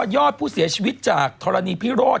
ยอดผู้เสียชีวิตจากธรณีพิโรธ